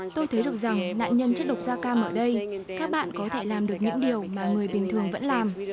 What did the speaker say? tôi thấy được rằng nạn nhân chất độc da cam ở đây các bạn có thể làm được những điều mà người bình thường vẫn làm